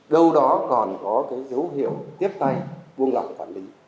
đâu đó còn có cái dấu hiệu tiếp tay buôn lậu phản lý